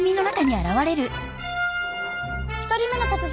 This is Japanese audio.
１人目の達人！